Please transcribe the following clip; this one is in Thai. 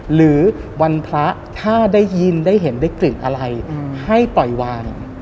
หรือวันพระถ้าได้ยินได้เห็นได้กลิ่นอะไรให้ปล่อยวาง